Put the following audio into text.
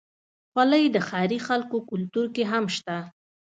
خولۍ د ښاري خلکو کلتور کې هم شته.